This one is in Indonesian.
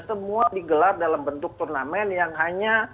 semua digelar dalam bentuk turnamen yang hanya